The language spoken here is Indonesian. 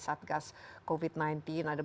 satgas covid sembilan belas ada